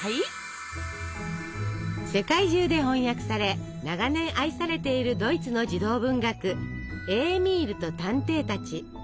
世界中で翻訳され長年愛されているドイツの児童文学「エーミールと探偵たち」。